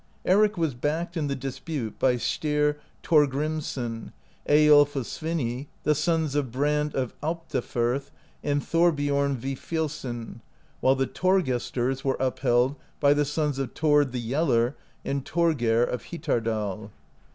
Eric was backed in the dispute by Styr Thorgrimsson, Eyiulf of Sviney, the sons of Brand of Alptafirth and Thorbiorn Vifilsson, while the Thorgesters were upheld by the sons of Thord the Yeller, and Thorgeir of Hitardal.